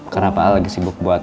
karena pak al lagi sibuk buat